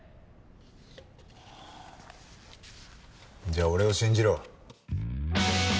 じゃあ俺を信じろ。